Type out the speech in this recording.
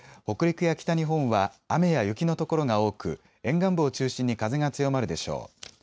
北陸や北日本は雨や雪の所が多く沿岸部を中心に風が強まるでしょう。